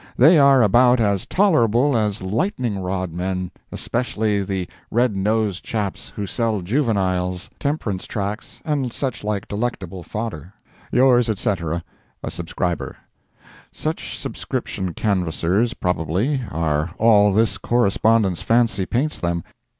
They are about as tolerable as lightning rod men, especially the "red nosed chaps" who sell "juveniles," temperance tracts, and such like delectable fodder. Yours, etc., A SUBSCRIBER Such subscription canvassers, probably, are all this correspondent's fancy paints them.